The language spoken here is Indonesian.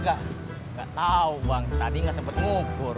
gak tau bang tadi gak sempet ngukur